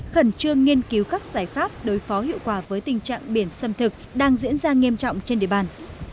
khẩn trương nghiên cứu các giải pháp đối phó hiệu quả với tình trạng biển xâm thực đang diễn ra nghiêm trọng trên địa bàn